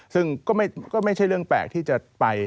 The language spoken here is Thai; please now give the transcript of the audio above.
ซึ่งก็ไม่ใช่เรื่องแปลกที่จะไป